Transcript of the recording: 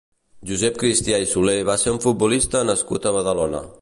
Josep Cristià i Solé va ser un futbolista nascut a Badalona.